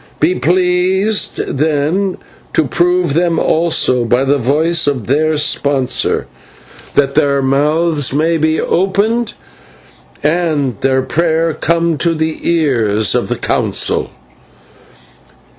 Be pleased, then, to prove them also by the voice of their sponsor, that their mouths may be opened and their prayer come to the ears of the Council."